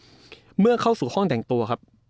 เมื่อเข้าสู่ห้องแต่งตัวครับ